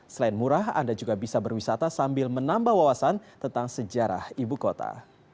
selain murah anda juga bisa berwisata sambil menambah wawasan tentang sejarah ibu kota